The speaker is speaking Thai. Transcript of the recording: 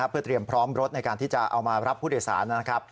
เพื่อเตรียมพร้อมรถในการที่จะเอามารับผู้โดยสารนะครับ